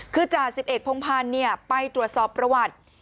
คือจ่าสิบเอกพงพันธ์ไปตรวจสอบประวัติ